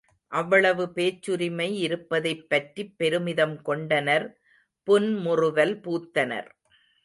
அவ்வளவு பேச்சுரிமை இருப்பதைப் பற்றிப் பெருமிதம் கொண்டனர் புன்முறுவல் பூத்தனர்.